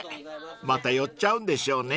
［また寄っちゃうんでしょうね］